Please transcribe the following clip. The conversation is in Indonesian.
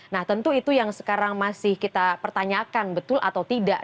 nah tentu itu yang sekarang masih kita pertanyakan betul atau tidak